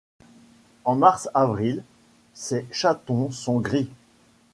En mars-avril, ses chatons sont gris.